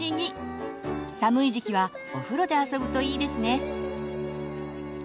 寒い時期はお風呂で遊ぶといいですね。